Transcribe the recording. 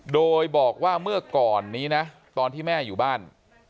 โดยบอกว่าเมื่อก่อนนี้นะตอนที่แม่อยู่บ้าน